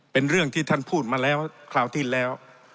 เป็นเรื่องที่ท่านพูดมาแล้วคราวที่แล้ว